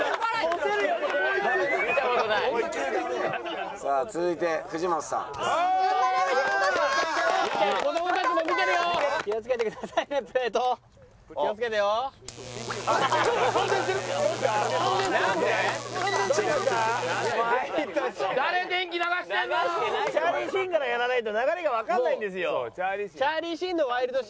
チャーリー・シーンからやらないと流れがわからないんですよ。